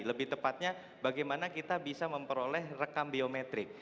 lebih tepatnya bagaimana kita bisa memperoleh rekam biometrik